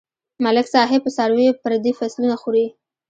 ملک صاحب په څارويو پردي فصلونه خوري.